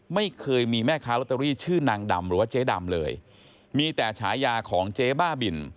ไม่เคยมีแม่ค้าลอตเตอรี่ชื่อนางดำหรือว่าเจ๊ดำเลยมีแต่ฉายาของเจ๊บ้าบิน